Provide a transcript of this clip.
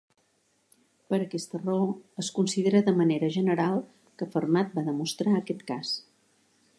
Per aquesta raó, es considera de manera general que Fermat va demostrar aquest cas.